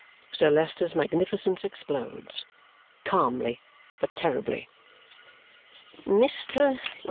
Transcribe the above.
Sir Leicester's magnificence explodes. Calmly, but terribly. "Mr.